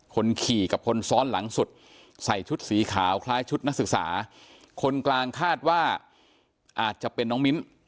คนขี่กับคนซ้อนหลังสุดใส่ชุดสีขาวคล้ายชุดนักศึกษาคนกลางคาดว่าอาจจะเป็นน้องมิ้น